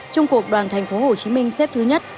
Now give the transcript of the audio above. trung cuộc đoàn tp hcm xếp thứ nhất